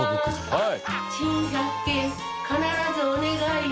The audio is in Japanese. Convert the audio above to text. はい！